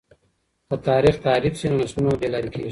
که تاريخ تحريف سي نو نسلونه بې لاري کېږي.